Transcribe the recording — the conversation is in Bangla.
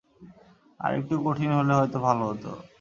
আরেকটু কঠিন হলে হয়তো ভালো হতো।